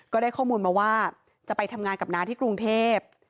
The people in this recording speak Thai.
ก็ได้ข้อมูลมาว่าจะไปทำงานกับน้าที่กรุงเทพ